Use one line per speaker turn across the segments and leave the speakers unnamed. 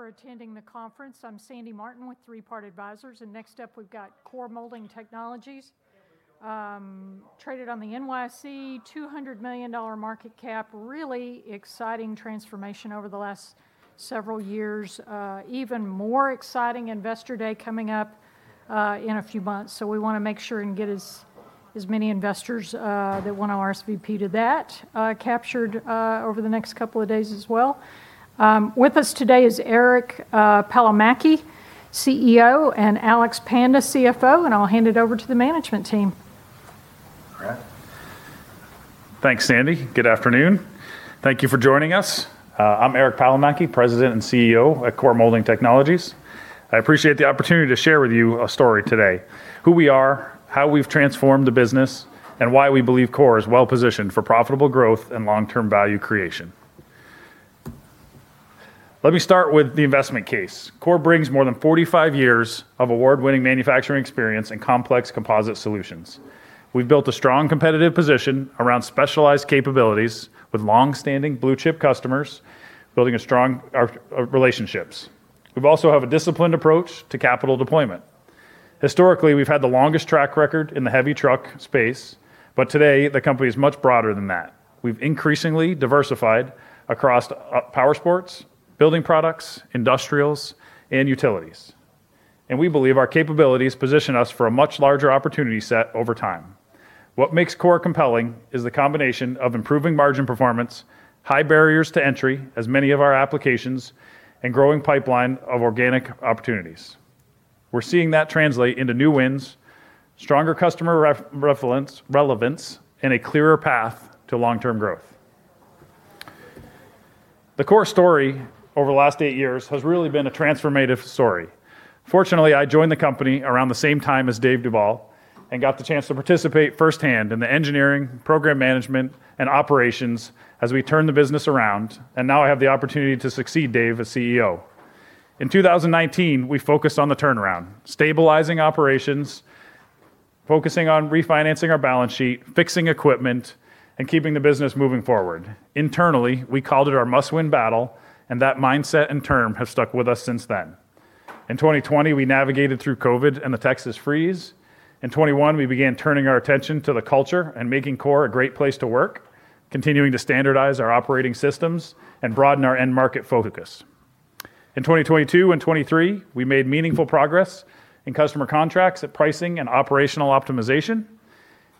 Thank you for attending the conference. I'm Sandy Martin with Three Part Advisors. Next up we've got Core Molding Technologies. Traded on the NYSE, $200 million market cap, really exciting transformation over the last several years. Even more exciting investor day coming up in a few months. We want to make sure and get as many investors that want to RSVP to that captured over the next couple of days as well. With us today is Eric Palomaki, CEO, and Alex Panda, CFO. I'll hand it over to the management team.
All right. Thanks, Sandy. Good afternoon. Thank you for joining us. I'm Eric Palomaki, President and CEO at Core Molding Technologies. I appreciate the opportunity to share with you a story today, who we are, how we've transformed the business, and why we believe Core is well-positioned for profitable growth and long-term value creation. Let me start with the investment case. Core brings more than 45 years of award-winning manufacturing experience and complex composite solutions. We've built a strong competitive position around specialized capabilities with long-standing blue chip customers, building strong relationships. We also have a disciplined approach to capital deployment. Historically, we've had the longest track record in the heavy truck space. Today, the company is much broader than that. We've increasingly diversified across power sports, building products, industrials, and utilities. We believe our capabilities position us for a much larger opportunity set over time. What makes Core compelling is the combination of improving margin performance, high barriers to entry, as many of our applications, and growing pipeline of organic opportunities. We're seeing that translate into new wins, stronger customer relevance, and a clearer path to long-term growth. The Core story over the last eight years has really been a transformative story. Fortunately, I joined the company around the same time as David Duvall and got the chance to participate firsthand in the engineering, program management, and operations as we turned the business around. Now I have the opportunity to succeed Dave as CEO. In 2019, we focused on the turnaround, stabilizing operations, focusing on refinancing our balance sheet, fixing equipment, and keeping the business moving forward. Internally, we called it our must-win battle. That mindset and term has stuck with us since then. In 2020, we navigated through COVID and the Texas freeze. In 2021, we began turning our attention to the culture and making Core a great place to work, continuing to standardize our operating systems and broaden our end market focus. In 2022 and 2023, we made meaningful progress in customer contracts at pricing and operational optimization.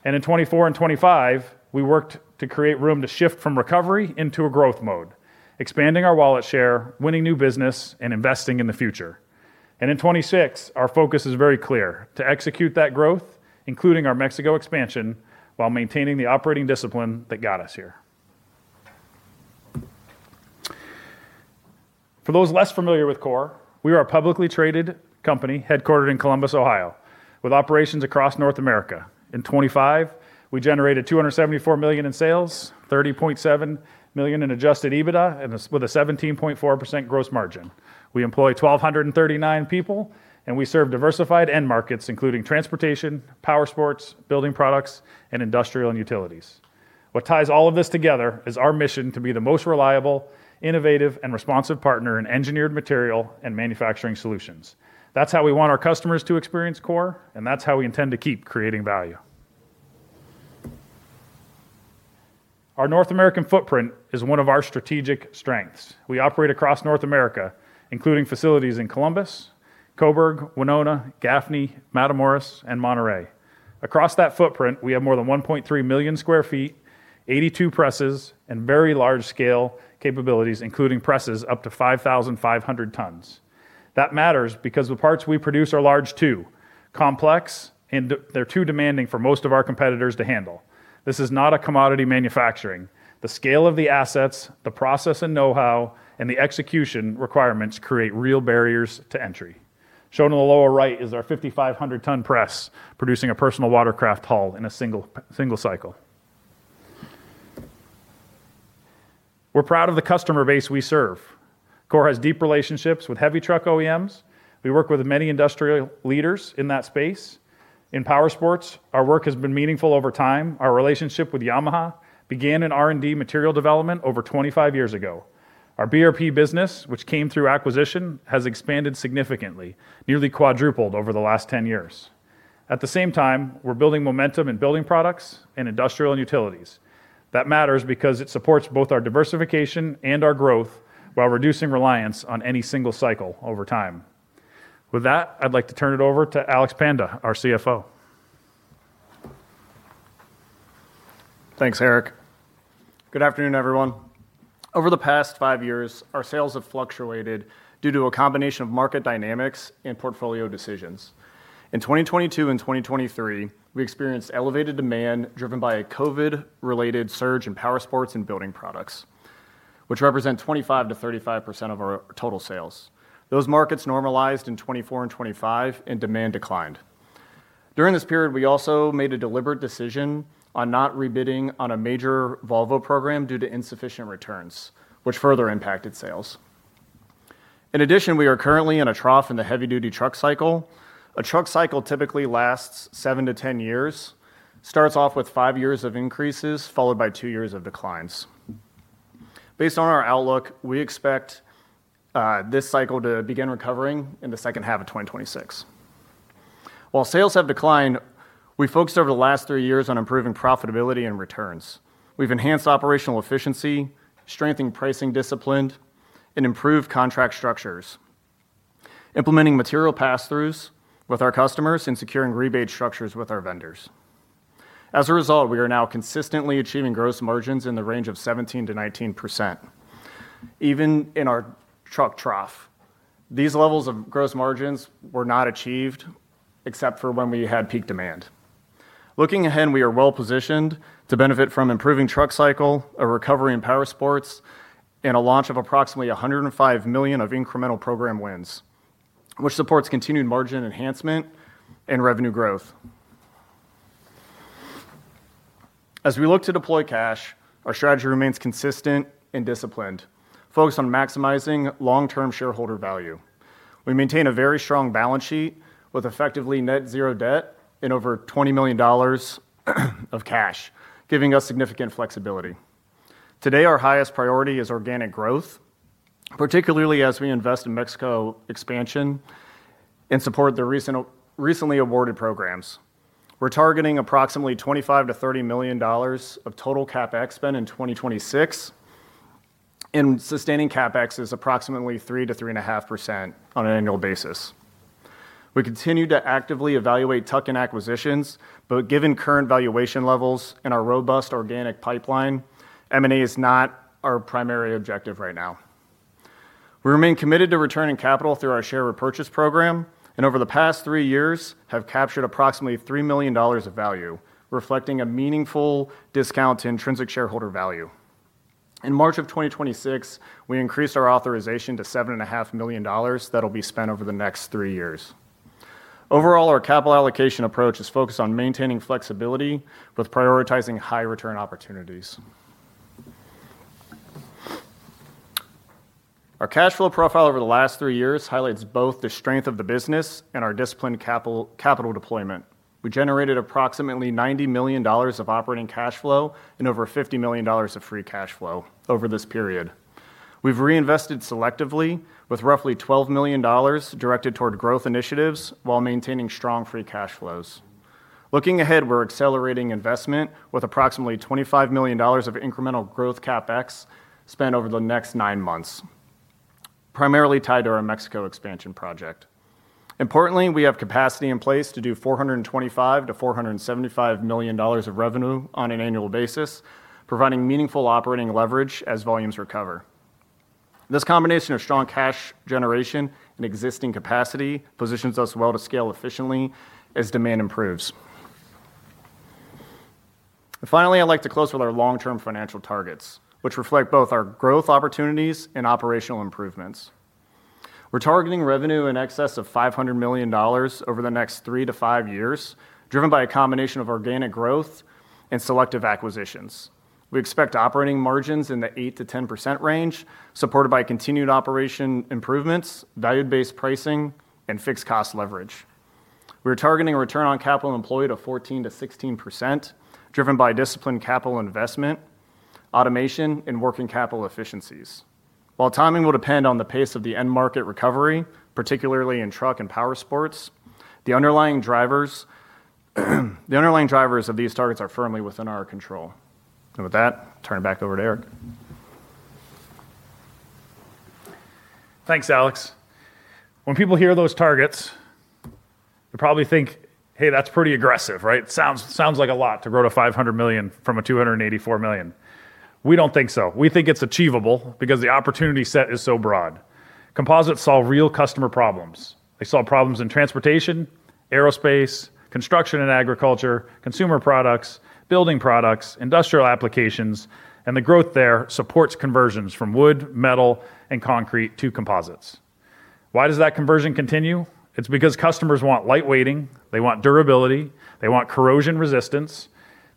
In 2024 and 2025, we worked to create room to shift from recovery into a growth mode, expanding our wallet share, winning new business, and investing in the future. In 2026, our focus is very clear, to execute that growth, including our Mexico expansion, while maintaining the operating discipline that got us here. For those less familiar with Core, we are a publicly traded company headquartered in Columbus, Ohio, with operations across North America. In 2025, we generated $274 million in sales, $30.7 million in adjusted EBITDA, and with a 17.4% gross margin. We employ 1,239 people, and we serve diversified end markets, including transportation, powersports, building products, and industrial and utilities. What ties all of this together is our mission to be the most reliable, innovative, and responsive partner in engineered material and manufacturing solutions. That's how we want our customers to experience Core, and that's how we intend to keep creating value. Our North American footprint is one of our strategic strengths. We operate across North America, including facilities in Columbus, Cobourg, Winona, Gaffney, Matamoros, and Monterrey. Across that footprint, we have more than 1.3 million sq ft, 82 presses, and very large-scale capabilities, including presses up to 5,500 tons. That matters because the parts we produce are large too, complex, and they're too demanding for most of our competitors to handle. This is not a commodity manufacturing. The scale of the assets, the process and know-how, and the execution requirements create real barriers to entry. Shown in the lower right is our 5,500-ton press producing a personal watercraft hull in a single cycle. We're proud of the customer base we serve. Core has deep relationships with heavy truck OEMs. We work with many industrial leaders in that space. In powersports, our work has been meaningful over time. Our relationship with Yamaha began in R&D material development over 25 years ago. Our BRP business, which came through acquisition, has expanded significantly, nearly quadrupled over the last 10 years. At the same time, we're building momentum in building products in industrial and utilities. That matters because it supports both our diversification and our growth while reducing reliance on any single cycle over time. With that, I'd like to turn it over to Alex Panda, our CFO.
Thanks, Eric. Good afternoon, everyone. Over the past five years, our sales have fluctuated due to a combination of market dynamics and portfolio decisions. In 2022 and 2023, we experienced elevated demand driven by a COVID-related surge in powersports and building products, which represent 25%-35% of our total sales. Those markets normalized in 2024 and 2025, and demand declined. During this period, we also made a deliberate decision on not rebidding on a major Volvo program due to insufficient returns, which further impacted sales. In addition, we are currently in a trough in the heavy-duty truck cycle. A truck cycle typically lasts seven to 10 years, starts off with five years of increases, followed by two years of declines. Based on our outlook, we expect this cycle to begin recovering in the second half of 2026. While sales have declined, we've focused over the last three years on improving profitability and returns. We've enhanced operational efficiency, strengthened pricing discipline, and improved contract structures, implementing material passthroughs with our customers and securing rebate structures with our vendors. As a result, we are now consistently achieving gross margins in the range of 17%-19%, even in our truck trough. These levels of gross margins were not achieved except for when we had peak demand. Looking ahead, we are well-positioned to benefit from improving truck cycle, a recovery in powersports, and a launch of approximately $105 million of incremental program wins, which supports continued margin enhancement and revenue growth. As we look to deploy cash, our strategy remains consistent and disciplined, focused on maximizing long-term shareholder value. We maintain a very strong balance sheet with effectively net zero debt and over $20 million of cash, giving us significant flexibility. Today, our highest priority is organic growth, particularly as we invest in Mexico expansion and support the recently awarded programs. We're targeting approximately $25 million-$30 million of total CapEx spend in 2026. Sustaining CapEx is approximately 3%-3.5% on an annual basis. We continue to actively evaluate tuck-in acquisitions, but given current valuation levels and our robust organic pipeline, M&A is not our primary objective right now. We remain committed to returning capital through our share repurchase program, and over the past three years have captured approximately $3 million of value, reflecting a meaningful discount to intrinsic shareholder value. In March of 2026, we increased our authorization to $7.5 million. That'll be spent over the next three years. Overall, our capital allocation approach is focused on maintaining flexibility with prioritizing high return opportunities. Our cash flow profile over the last three years highlights both the strength of the business and our disciplined capital deployment. We generated approximately $90 million of operating cash flow and over $50 million of free cash flow over this period. We've reinvested selectively with roughly $12 million directed toward growth initiatives while maintaining strong free cash flows. Looking ahead, we're accelerating investment with approximately $25 million of incremental growth CapEx spent over the next nine months, primarily tied to our Mexico expansion project. Importantly, we have capacity in place to do $425 million-$475 million of revenue on an annual basis, providing meaningful operating leverage as volumes recover. This combination of strong cash generation and existing capacity positions us well to scale efficiently as demand improves. Finally, I'd like to close with our long-term financial targets, which reflect both our growth opportunities and operational improvements. We're targeting revenue in excess of $500 million over the next three to five years, driven by a combination of organic growth and selective acquisitions. We expect operating margins in the 8%-10% range, supported by continued operation improvements, value-based pricing, and fixed cost leverage. We're targeting a return on capital employed of 14%-16%, driven by disciplined capital investment, automation, and working capital efficiencies. While timing will depend on the pace of the end market recovery, particularly in truck and powersports, the underlying drivers of these targets are firmly within our control. With that, turn it back over to Eric.
Thanks, Alex. When people hear those targets, they probably think, "Hey, that's pretty aggressive," right? Sounds like a lot to grow to $500 million from a $284 million. We don't think so. We think it's achievable because the opportunity set is so broad. Composites solve real customer problems. They solve problems in transportation, aerospace, construction and agriculture, consumer products, building products, industrial applications. The growth there supports conversions from wood, metal, and concrete to composites. Why does that conversion continue? It's because customers want lightweighting, they want durability, they want corrosion resistance,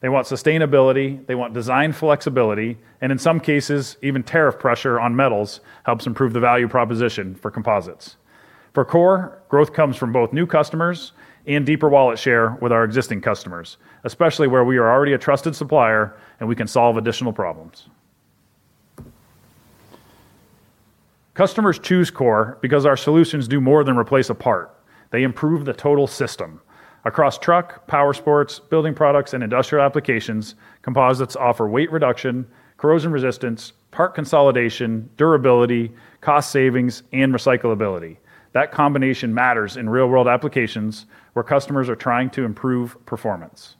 they want sustainability, they want design flexibility, and in some cases, even tariff pressure on metals helps improve the value proposition for composites. For CORE, growth comes from both new customers and deeper wallet share with our existing customers, especially where we are already a trusted supplier and we can solve additional problems. Customers choose CORE because our solutions do more than replace a part. They improve the total system. Across truck, powersports, building products, and industrial applications, composites offer weight reduction, corrosion resistance, part consolidation, durability, cost savings, and recyclability. That combination matters in real-world applications where customers are trying to improve performance.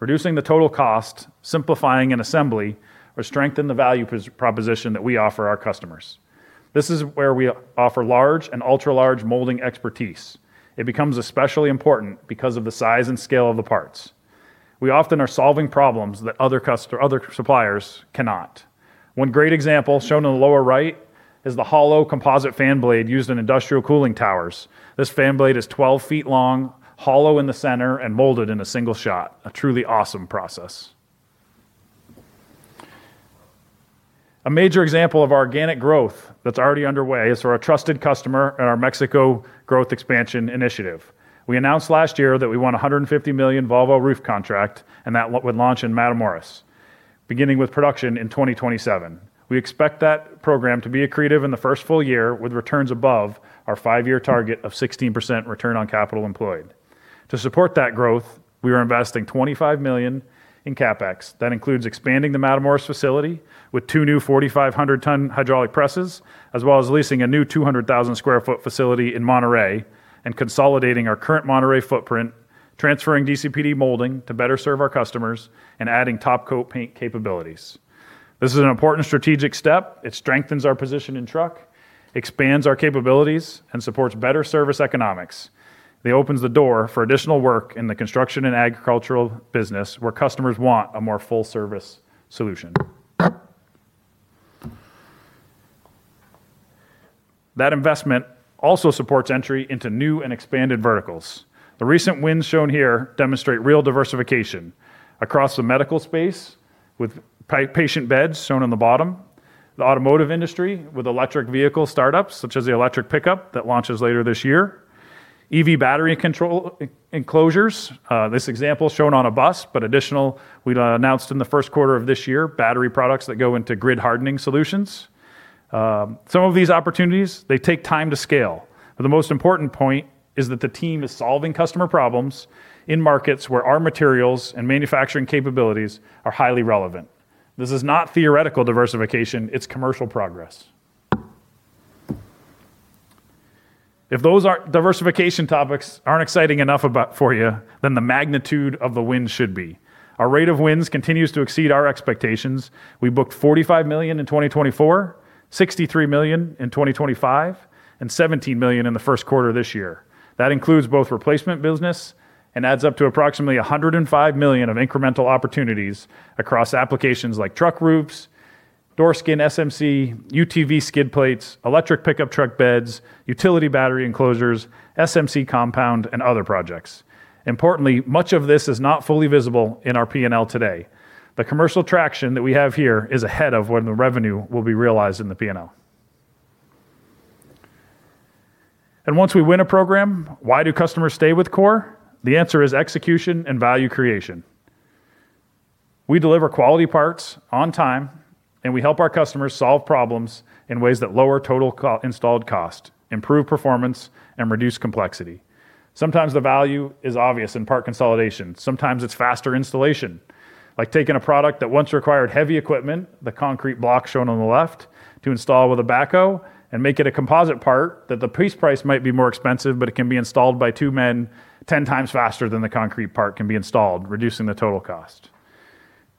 Reducing the total cost, simplifying an assembly, or strengthen the value proposition that we offer our customers. This is where we offer large and ultra-large molding expertise. It becomes especially important because of the size and scale of the parts. We often are solving problems that other suppliers cannot. One great example shown in the lower right is the hollow composite fan blade used in industrial cooling towers. This fan blade is 12 feet long, hollow in the center, and molded in a single shot. A truly awesome process. A major example of organic growth that's already underway is through our trusted customer and our Mexico Growth Expansion Initiative. We announced last year that we won a $150 million Volvo roof contract, and that would launch in Matamoros, beginning with production in 2027. We expect that program to be accretive in the first full year with returns above our five-year target of 16% return on capital employed. To support that growth, we are investing $25 million in CapEx. That includes expanding the Matamoros facility with two new 4,500 ton hydraulic presses, as well as leasing a new 200,000 sq ft facility in Monterrey and consolidating our current Monterrey footprint, transferring DCPD molding to better serve our customers, and adding top coat paint capabilities. This is an important strategic step. It strengthens our position in truck, expands our capabilities, and supports better service economics. It opens the door for additional work in the construction and agricultural business where customers want a more full-service solution. That investment also supports entry into new and expanded verticals. The recent wins shown here demonstrate real diversification across the medical space with patient beds shown on the bottom, the automotive industry with electric vehicle startups such as the electric pickup that launches later this year, EV battery control enclosures, this example shown on a bus. Additional, we'd announced in the first quarter of this year, battery products that go into grid hardening solutions. Some of these opportunities, they take time to scale. The most important point is that the team is solving customer problems in markets where our materials and manufacturing capabilities are highly relevant. This is not theoretical diversification, it's commercial progress. If those diversification topics aren't exciting enough for you, the magnitude of the wins should be. Our rate of wins continues to exceed our expectations. We booked $45 million in 2024, $63 million in 2025, and $17 million in the first quarter this year. That includes both replacement business and adds up to approximately $105 million of incremental opportunities across applications like truck roofs, door skin SMC, UTV skid plates, electric pickup truck beds, utility battery enclosures, SMC compound, and other projects. Importantly, much of this is not fully visible in our P&L today. The commercial traction that we have here is ahead of when the revenue will be realized in the P&L. Once we win a program, why do customers stay with Core? The answer is execution and value creation. We deliver quality parts on time, and we help our customers solve problems in ways that lower total installed cost, improve performance, and reduce complexity. Sometimes the value is obvious in part consolidation. Sometimes it's faster installation, like taking a product that once required heavy equipment, the concrete block shown on the left, to install with a backhoe and make it a composite part that the piece price might be more expensive, but it can be installed by two men 10 times faster than the concrete part can be installed, reducing the total cost.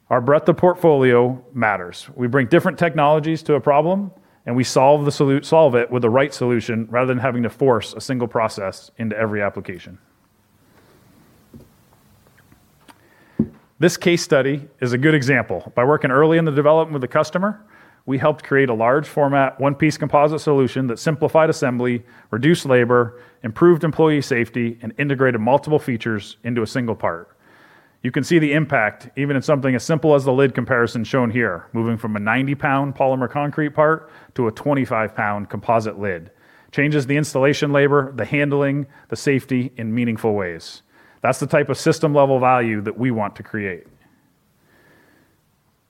Our breadth of portfolio matters. We bring different technologies to a problem, and we solve it with the right solution rather than having to force a single process into every application. This case study is a good example. By working early in the development with the customer, we helped create a large format, one-piece composite solution that simplified assembly, reduced labor, improved employee safety, and integrated multiple features into a single part. You can see the impact, even in something as simple as the lid comparison shown here, moving from a 90-pound polymer concrete part to a 25-pound composite lid. Changes the installation labor, the handling, the safety in meaningful ways. That's the type of system-level value that we want to create.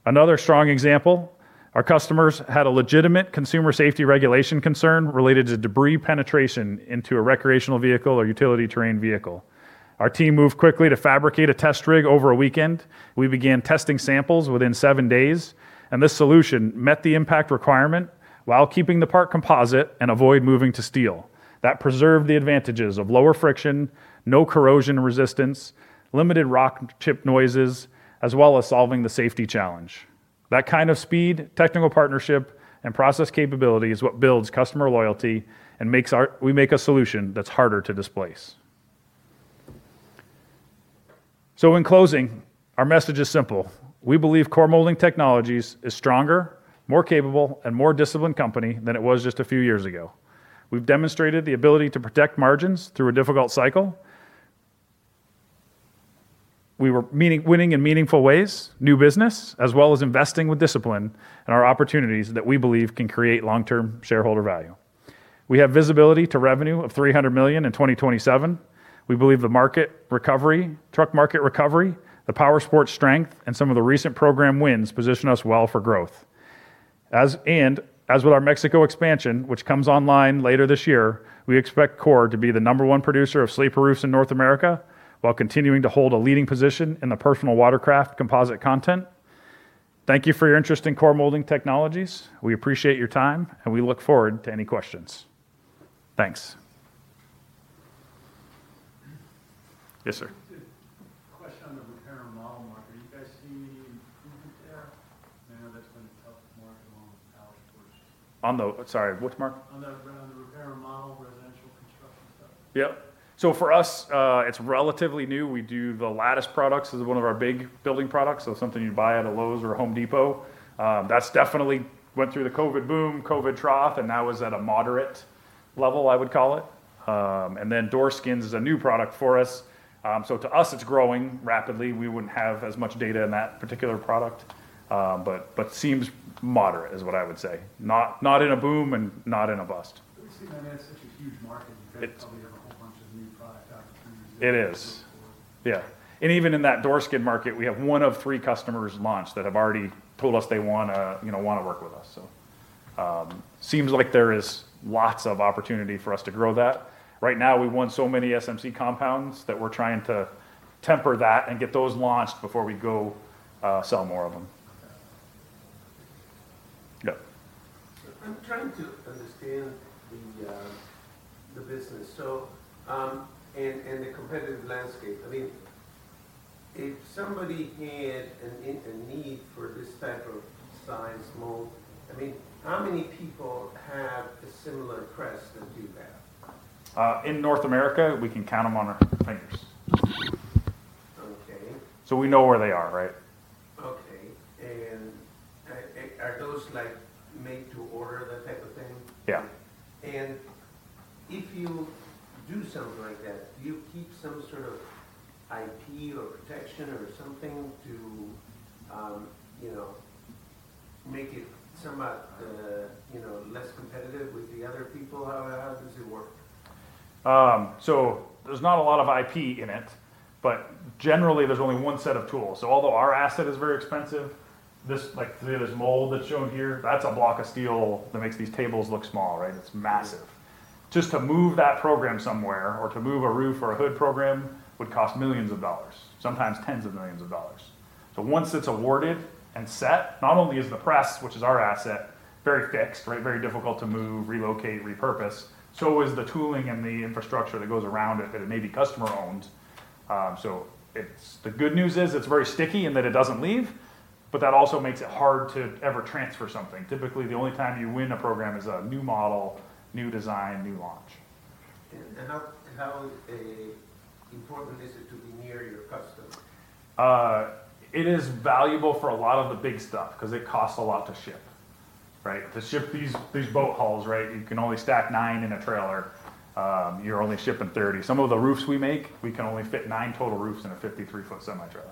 Another strong example, our customers had a legitimate consumer safety regulation concern related to debris penetration into a recreational vehicle or utility terrain vehicle. Our team moved quickly to fabricate a test rig over a weekend. We began testing samples within seven days, this solution met the impact requirement while keeping the part composite and avoid moving to steel. That preserved the advantages of lower friction, no corrosion resistance, limited rock chip noises, as well as solving the safety challenge. That kind of speed, technical partnership, and process capability is what builds customer loyalty and we make a solution that's harder to displace. In closing, our message is simple. We believe Core Molding Technologies is stronger, more capable, and more disciplined company than it was just a few years ago. We've demonstrated the ability to protect margins through a difficult cycle. We were winning in meaningful ways, new business, as well as investing with discipline in our opportunities that we believe can create long-term shareholder value. We have visibility to revenue of $300 million in 2027. We believe the truck market recovery, the powersport strength, and some of the recent program wins position us well for growth. As with our Mexico expansion, which comes online later this year, we expect Core to be the number one producer of sleeper roofs in North America while continuing to hold a leading position in the personal watercraft composite content. Thank you for your interest in Core Molding Technologies. We appreciate your time, and we look forward to any questions. Thanks. Yes, sir.
Just a question on the repair and remodel market. Are you guys seeing any improvement there? I know that's been a tough market along with powersports.
On the, sorry, which market?
On the repair and remodel residential construction stuff.
Yep. For us, it is relatively new. We do the lattice products as one of our big building products, something you would buy at a Lowe's or a Home Depot. That definitely went through the COVID boom, COVID trough, and now is at a moderate level, I would call it. Door skins is a new product for us. To us, it is growing rapidly. We wouldn't have as much data in that particular product. Seems moderate is what I would say. Not in a boom and not in a bust. You see that as such a huge market, you guys probably have a whole bunch of new product opportunities. It is going forward. Yeah. Even in that door skin market, we have one of three customers launched that have already told us they want to work with us. Seems like there is lots of opportunity for us to grow that. Right now, we won so many SMC compounds that we are trying to temper that and get those launched before we go sell more of them. Okay. Yep.
I am trying to understand the business, and the competitive landscape. If somebody had a need for this type of size mold, how many people have a similar press that do that?
In North America, we can count them on our fingers.
Okay.
We know where they are, right?
Okay. Are those made to order, that type of thing?
Yeah.
If you do something like that, do you keep some sort of IP or protection or something to make it somewhat less competitive with the other people? How does it work?
There's not a lot of IP in it, but generally, there's only one set of tools. Although our asset is very expensive, like this mold that's shown here, that's a block of steel that makes these tables look small, right? It's massive. Just to move that program somewhere or to move a roof or a hood program would cost millions of dollars, sometimes tens of millions of dollars. Once it's awarded and set, not only is the press, which is our asset, very fixed, very difficult to move, relocate, repurpose, so is the tooling and the infrastructure that goes around it, that may be customer owned. The good news is it's very sticky and that it doesn't leave, but that also makes it hard to ever transfer something. Typically, the only time you win a program is a new model, new design, new launch.
How important is it to be near your customer?
It is valuable for a lot of the big stuff because it costs a lot to ship. To ship these boat hulls. You can only stack nine in a trailer. You're only shipping 30. Some of the roofs we make, we can only fit nine total roofs in a 53-foot semi-trailer.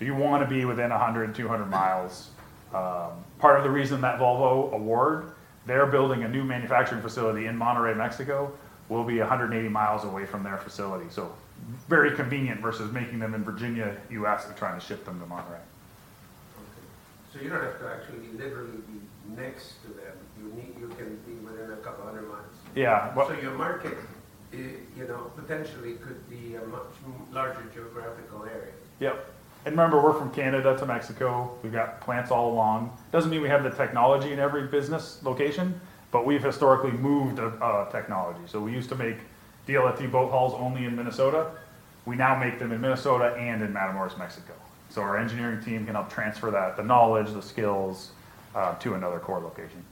You want to be within 100, 200 miles. Part of the reason that Volvo award, they're building a new manufacturing facility in Monterrey, Mexico. We'll be 180 miles away from their facility, so very convenient versus making them in Virginia, U.S. and trying to ship them to Monterrey.
Okay. You don't have to actually literally be next to them. You can be within a couple of hundred miles.
Yeah.
Your market, potentially could be a much larger geographical area.
Yep. Remember, we're from Canada to Mexico. We've got plants all along. Doesn't mean we have the technology in every business location, but we've historically moved technology. We used to make DLFT boat hulls only in Minnesota. We now make them in Minnesota and in Matamoros, Mexico. Our engineering team can help transfer that, the knowledge, the skills, to another Core location.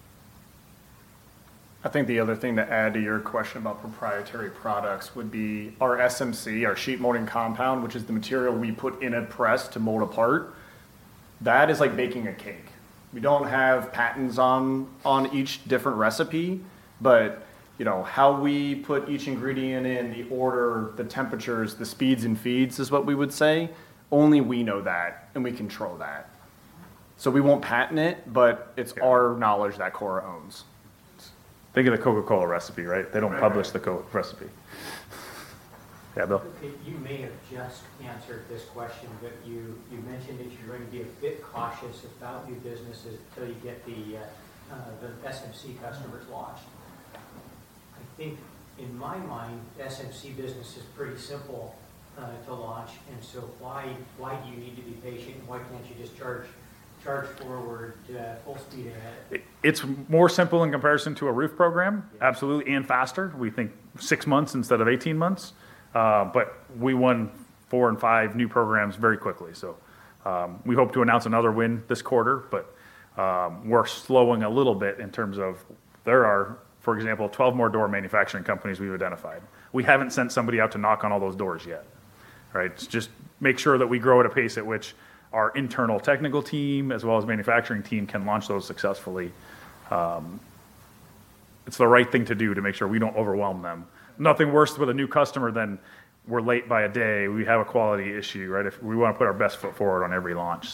I think the other thing to add to your question about proprietary products would be our SMC, our Sheet Molding Compound, which is the material we put in a press to mold a part. That is like baking a cake. We don't have patents on each different recipe. How we put each ingredient in, the order, the temperatures, the speeds, and feeds is what we would say. Only we know that, and we control that. We won't patent it, but it's our knowledge that Core owns.
Think of the Coca-Cola recipe, right? They don't publish the Coke recipe. Yeah, Bill.
You may have just answered this question, but you mentioned that you're going to be a bit cautious about new business until you get the SMC customers launched. I think in my mind, SMC business is pretty simple to launch. Why do you need to be patient and why can't you just charge forward at full speed ahead?
It's more simple in comparison to a roof program.
Yeah.
Absolutely, faster. We think six months instead of 18 months. We won four and five new programs very quickly. We hope to announce another win this quarter, but we're slowing a little bit in terms of there are, for example, 12 more door manufacturing companies we've identified. We haven't sent somebody out to knock on all those doors yet. To just make sure that we grow at a pace at which our internal technical team, as well as manufacturing team, can launch those successfully. It's the right thing to do to make sure we don't overwhelm them. Nothing worse with a new customer than we're late by a day. We have a quality issue. We want to put our best foot forward on every launch.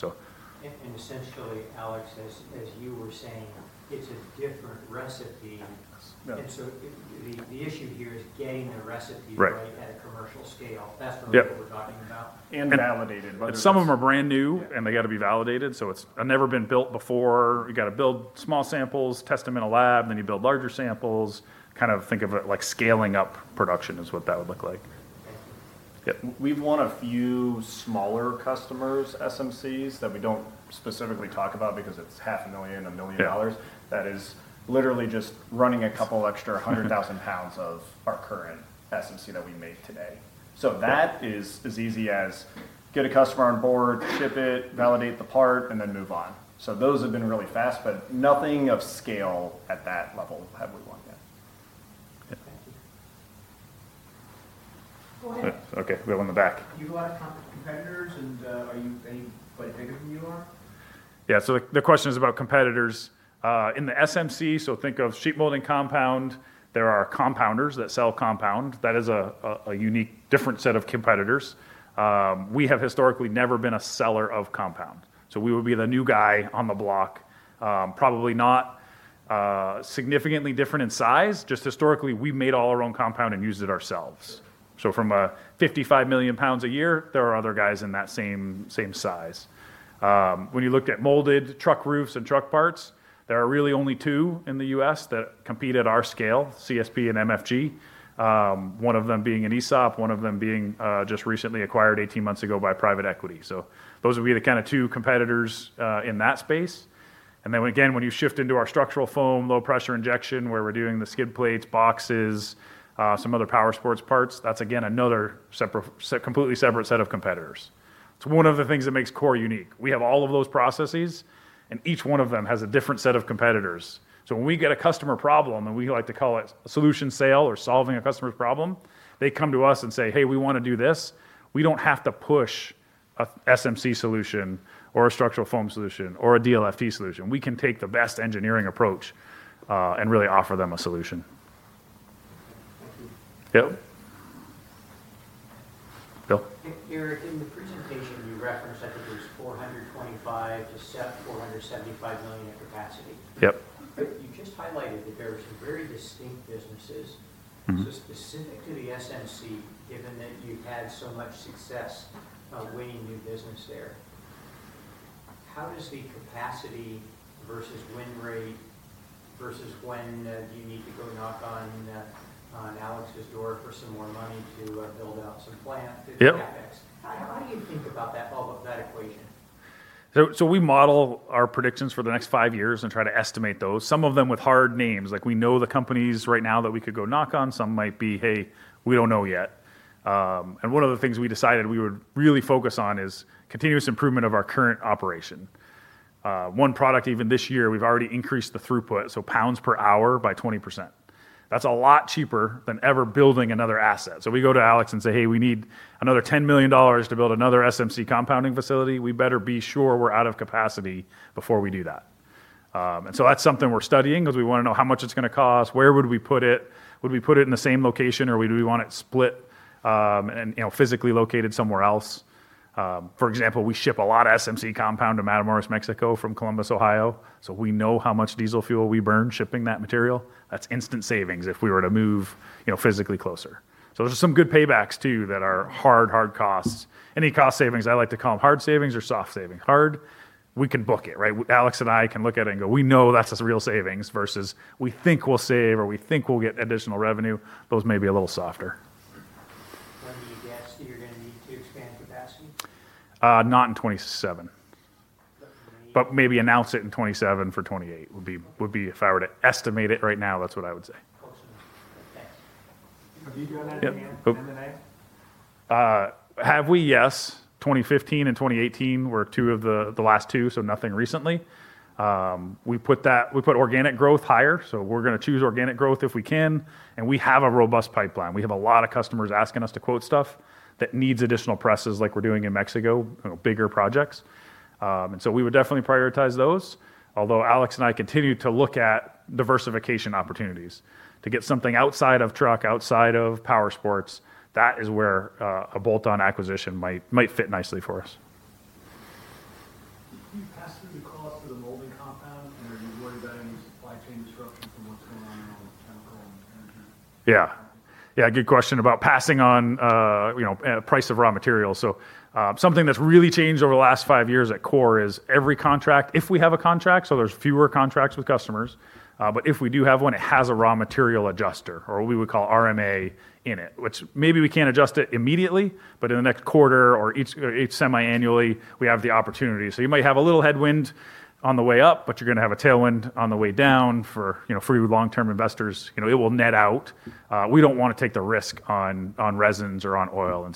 Essentially, Alex, as you were saying, it's a different recipe.
Yeah.
The issue here is getting the recipe.
Right
right at a commercial scale. That's
Yeah
what we're talking about?
validated, whether some of them are brand Yeah They got to be validated. It's never been built before. You got to build small samples, test them in a lab, and then you build larger samples. Think of it like scaling up production is what that would look like.
Thank you.
Yep. We've won a few smaller customers, SMCs, that we don't specifically talk about because it's half a million, a million dollars. Yeah. That is literally just running a couple extra 100,000 pounds of our current SMC that we make today. That is as easy as get a customer on board, ship it, validate the part, and then move on. Those have been really fast, but nothing of scale at that level have we won yet.
Yeah.
Thank you.
Go ahead. Okay. We have one in the back.
Do you have competitors? Are any quite bigger than you are?
Yeah. The question is about competitors. In the SMC, think of Sheet Molding Compound. There are compounders that sell compound. That is a unique, different set of competitors. We have historically never been a seller of compound. We would be the new guy on the block. Probably not significantly different in size. Just historically, we made all our own compound and used it ourselves. From 55 million pounds a year, there are other guys in that same size. When you looked at molded truck roofs and truck parts, there are really only two in the U.S. that compete at our scale, CSP and MFG. One of them being an ESOP, one of them being just recently acquired 18 months ago by private equity. Those would be the two competitors in that space. Again, when you shift into our structural foam, low pressure injection, where we're doing the skid plates, boxes, some other powersports parts, that's again another completely separate set of competitors. It's one of the things that makes Core unique. We have all of those processes, and each one of them has a different set of competitors. When we get a customer problem, and we like to call it a solution sale or solving a customer's problem, they come to us and say, "Hey, we want to do this." We don't have to push a SMC solution or a structural foam solution or a DLFT solution. We can take the best engineering approach, and really offer them a solution.
Thank you.
Yep. Bill?
Eric, in the presentation you referenced, I think it was $425 million-$475 million at capacity.
Yep.
You just highlighted that there are some very distinct businesses. Specific to the SMC, given that you've had so much success winning new business there, how does the capacity versus win rate versus when do you need to go knock on Alex's door for some more money to build out some plant?
Yep
CapEx? How do you think about that equation?
We model our predictions for the next five years and try to estimate those, some of them with hard names. We know the companies right now that we could go knock on. Some might be, "Hey, we don't know yet." One of the things we decided we would really focus on is continuous improvement of our current operation. One product, even this year, we've already increased the throughput, so pounds per hour, by 20%. That's a lot cheaper than ever building another asset. We go to Alex and say, "Hey, we need another $10 million to build another SMC compounding facility." We better be sure we're out of capacity before we do that. That's something we're studying because we want to know how much it's going to cost, where would we put it? Would we put it in the same location, or do we want it split, and physically located somewhere else? For example, we ship a lot of SMC compound to Matamoros, Mexico from Columbus, Ohio. We know how much diesel fuel we burn shipping that material. That's instant savings if we were to move physically closer. There's some good paybacks too that are hard costs. Any cost savings, I like to call them hard savings or soft savings. Hard, we can book it, right? Alex and I can look at it and go, "We know that's a real savings," versus, "We think we'll save," or, "We think we'll get additional revenue." Those may be a little softer.
When do you guess you're going to need to expand capacity?
Not in 2027.
2028?
Maybe announce it in 2027 for 2028, would be if I were to estimate it right now, that's what I would say.
Awesome. Thanks.
Have you done an M&A? Have we? Yes. 2015 and 2018 were two of the last two. Nothing recently. We put organic growth higher. We're going to choose organic growth if we can. We have a robust pipeline. We have a lot of customers asking us to quote stuff that needs additional presses like we're doing in Mexico, bigger projects. We would definitely prioritize those, although Alex and I continue to look at diversification opportunities to get something outside of truck, outside of powersports. That is where a bolt-on acquisition might fit nicely for us.
Do you pass through the cost of the molding compound, and are you worried about any supply chain disruption from what's going on now with chemical and energy?
Yeah. Good question about passing on price of raw materials. Something that's really changed over the last five years at Core is every contract, if we have a contract, there's fewer contracts with customers. If we do have one, it has a raw material adjuster, or what we would call RMA in it. Which maybe we can't adjust it immediately, but in the next quarter or each semi-annually, we have the opportunity. You might have a little headwind on the way up, but you're going to have a tailwind on the way down for your long-term investors. It will net out. We don't want to take the risk on resins or on oil,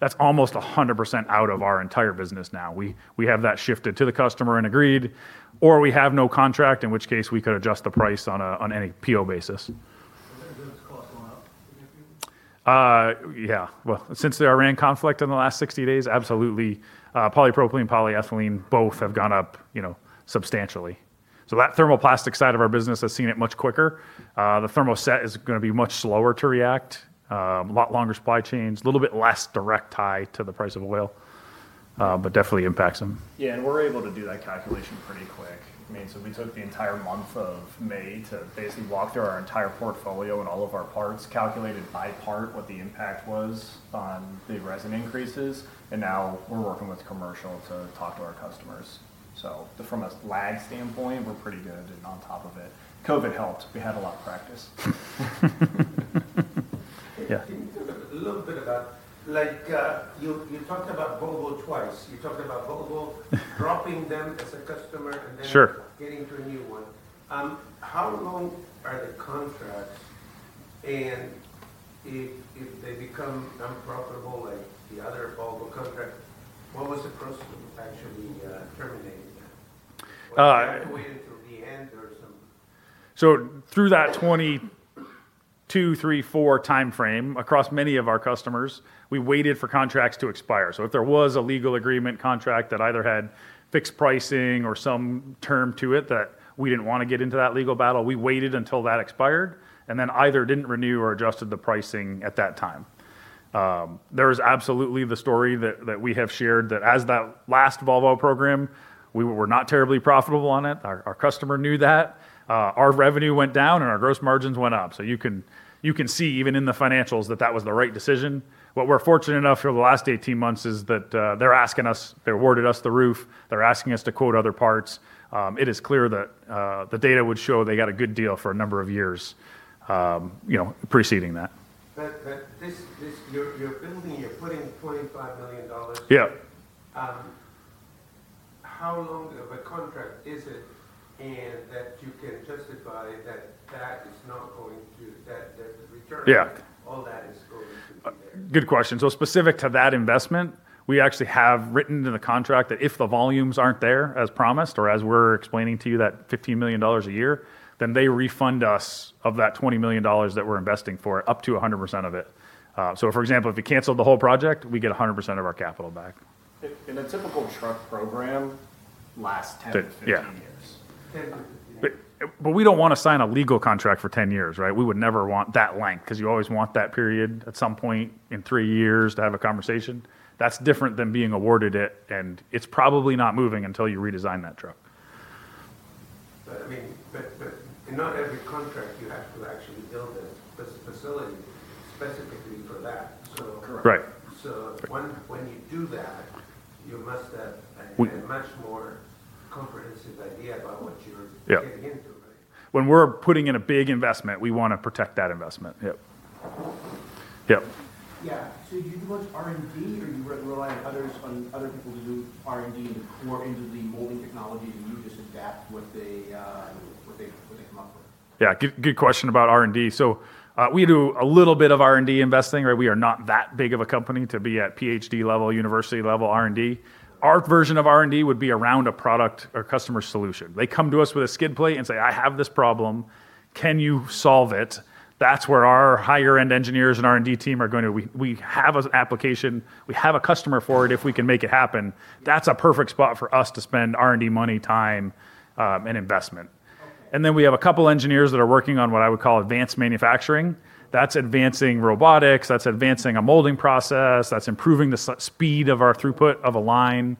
that's almost 100% out of our entire business now. We have that shifted to the customer and agreed, or we have no contract, in which case we could adjust the price on any PO basis.
Have those costs gone up significantly?
Yeah. Well, since the Iran conflict in the last 60 days, absolutely. Polypropylene, polyethylene both have gone up substantially. That thermoplastic side of our business has seen it much quicker. The thermoset is going to be much slower to react. A lot longer supply chains, a little bit less direct tie to the price of oil. Definitely impacts them.
We're able to do that calculation pretty quick. We took the entire month of May to basically walk through our entire portfolio and all of our parts, calculated by part what the impact was on the resin increases, and now we're working with commercial to talk to our customers. From a lag standpoint, we're pretty good and on top of it. COVID helped. We had a lot of practice.
Yeah.
Can you talk a little bit about? You talked about Volvo twice. You talked about Volvo dropping them as a customer and then
Sure
Getting to a new one. How long are the contracts, and if they become unprofitable like the other Volvo contract, what was the process of actually terminating that?
Uh-
Do you have to wait until the end or some?
Through that 2002, 2003, 2004 timeframe across many of our customers, we waited for contracts to expire. If there was a legal agreement contract that either had fixed pricing or some term to it that we didn't want to get into that legal battle, we waited until that expired and then either didn't renew or adjusted the pricing at that time. There is absolutely the story that we have shared, that as that last Volvo program, we were not terribly profitable on it. Our customer knew that. Our revenue went down, and our gross margins went up. You can see, even in the financials, that that was the right decision. What we're fortunate enough for the last 18 months is that they're asking us, they awarded us the roof. They're asking us to quote other parts. It is clear that the data would show they got a good deal for a number of years preceding that.
You're building, you're putting $25 million.
Yeah.
How long of a contract is it and that you can justify that is not going to.
Yeah
all that is going to be there?
Good question. Specific to that investment, we actually have written in the contract that if the volumes aren't there as promised, or as we're explaining to you, that $15 million a year, then they refund us of that $20 million that we're investing for, up to 100% of it. For example, if you canceled the whole project, we get 100% of our capital back.
In a typical truck program, lasts 10-15 years. 10 years.
We don't want to sign a legal contract for 10 years, right? We would never want that length because you always want that period at some point in three years to have a conversation. That's different than being awarded it, and it's probably not moving until you redesign that truck.
In not every contract, you have to actually build a facility specifically for that.
Right.
When you do that, you must have a much more comprehensive idea about what you're getting into, right?
When we're putting in a big investment, we want to protect that investment.
Yeah. Do you do much R&D, or you rely on other people to do R&D in the core, into the molding technology, and you just adapt what they come up with?
Yeah, good question about R&D. We do a little bit of R&D investing, right? We are not that big of a company to be at PhD level, university level R&D. Our version of R&D would be around a product or customer solution. They come to us with a skid plate and say, "I have this problem. Can you solve it?" That's where our higher-end engineers and R&D team. We have an application. We have a customer for it. If we can make it happen, that's a perfect spot for us to spend R&D money, time, and investment. We have a couple engineers that are working on what I would call advanced manufacturing. That's advancing robotics. That's advancing a molding process. That's improving the speed of our throughput of a line.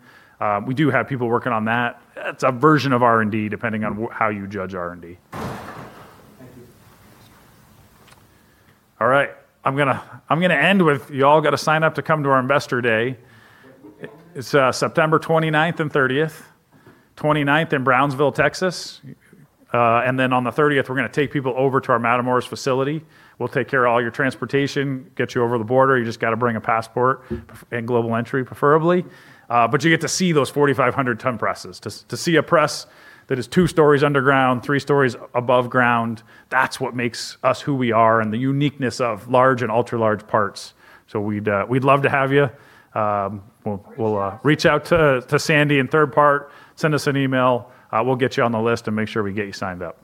We do have people working on that. It's a version of R&D, depending on how you judge R&D.
Thank you.
All right. I'm going to end with you all got to sign up to come to our investor day.
When is it?
It's September 29th and 30th. 29th in Brownsville, Texas. On the 30th, we're going to take people over to our Matamoros facility. We'll take care of all your transportation, get you over the border. You just got to bring a passport and Global Entry, preferably. You get to see those 4,500 ton presses. To see a press that is two stories underground, three stories above ground, that's what makes us who we are, and the uniqueness of large and ultra-large parts. We'd love to have you. Reach out Reach out to Sandy in Three Part Advisors. Send us an email. We'll get you on the list and make sure we get you signed up.
Thank you.